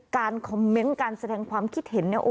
การคอมเมนต์การแสดงความคิดเห็นเนี่ย